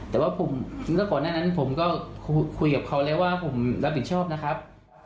แต่ว่าเมื่อก่อนหน้านั้นผมก็คุยกับเขาแล้วว่าผมรับผิดชอบนะครับ